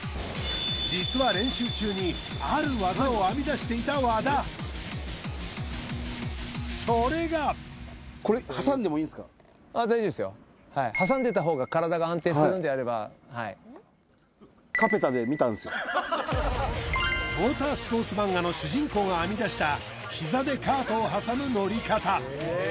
実は練習中に和田それがあっ大丈夫ですよはい挟んでたほうが体が安定するんであればはいモータースポーツ漫画の主人公が編み出した膝でカートを挟む乗り方